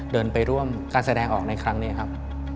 เดินไปร่วมการแสดงออกในครั้งนี้ครับ